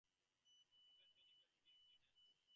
See comparison of Unicode encodings for details.